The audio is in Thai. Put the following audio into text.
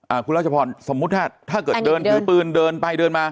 คุณรัชพรสมมุติถ้าถ้าเกิดเดินถือปืนเดินไปเดินมา